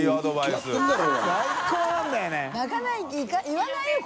言わないよ